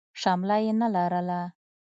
شمله يې نه لرله.